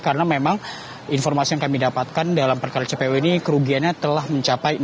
karena memang informasi yang kami dapatkan dalam perkara cpo ini kerugiannya telah mencapai enam persen